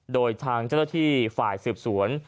โดยทางเจ้าหน้าที่ฝ่ายสืบสวน